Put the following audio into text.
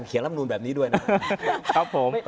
เขียนรำนูนแบบนี้ด้วยนะ